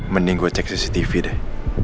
mending gue cek cctv deh